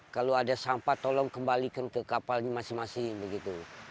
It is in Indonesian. kalau ada sampah tolong kembalikan ke kapalnya masing masing begitu